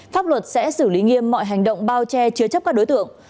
pháp luật sẽ xử lý nghiêm mọi hành động bao che chứa chấp các đối tượng